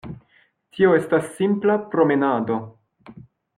Tio estas simpla promenado.